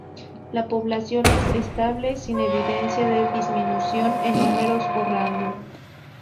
La población es estable, sin evidencia de disminución en números o rango.